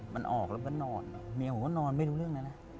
มันออกแล้วก็นอนเมียผมก็นอนไม่รู้เรื่องนั้นนะ